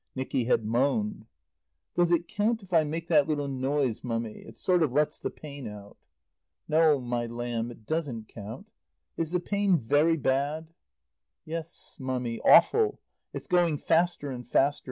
Nicky had moaned. "Does it count if I make that little noise, Mummy? It sort of lets the pain out." "No, my lamb, it doesn't count. Is the pain very bad?" "Yes, Mummy, awful. It's going faster and faster.